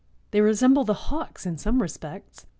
They resemble the hawks in some respects.